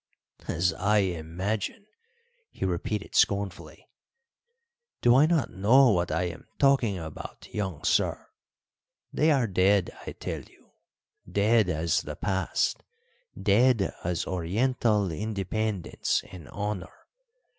"As I imagine!" he repeated scornfully. "Do I not know what I am talking about, young sir? They are dead, I tell you dead as the past, dead as Oriental independence and honour.